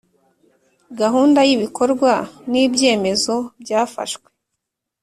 gahunda y ibikorwa n ibyemezo byafashwe